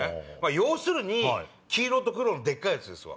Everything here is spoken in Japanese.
要するに黄色と黒のでっかいやつですわ。